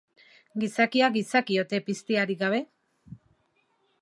Gizakia, gizaki ote piztiarik gabe?